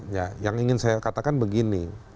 ya yang ingin saya katakan begini